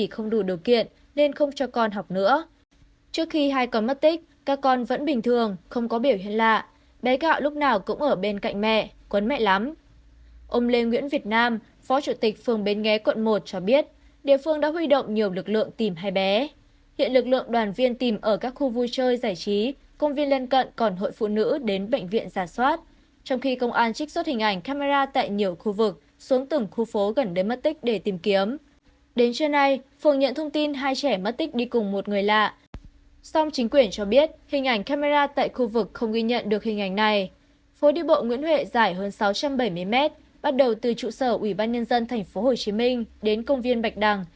phố đi bộ nguyễn huệ dài hơn sáu trăm bảy mươi m bắt đầu từ trụ sở ủy ban nhân dân tp hcm đến công viên bạch đằng